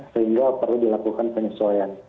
sehingga perlu dilakukan penyesuaian